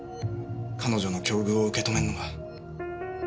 彼女の境遇を受け止めるのが。